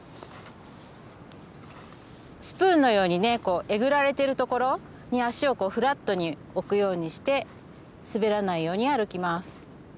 スプーンのようにえぐられてるところに足をフラットに置くようにして滑らないように歩きます。